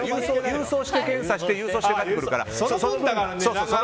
郵送して検査して郵送して返ってくるから。